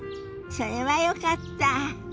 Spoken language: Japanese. それはよかった。